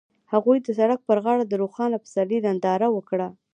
هغوی د سړک پر غاړه د روښانه پسرلی ننداره وکړه.